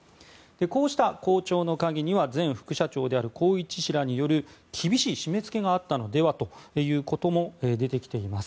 こうした好調の陰には前副社長である宏一氏らによる厳しい締め付けがあったのではということも出てきています。